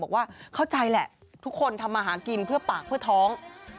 บอกว่าเข้าใจแหละทุกคนทำมาหากินเพื่อปากเพื่อท้อง